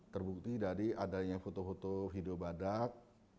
terbukti dari foto foto hidup badak